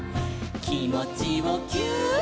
「きもちをぎゅーっ」